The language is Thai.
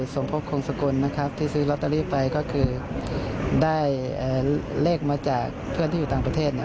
สมภพคงสกลนะครับที่ซื้อลอตเตอรี่ไปก็คือได้เลขมาจากเพื่อนที่อยู่ต่างประเทศ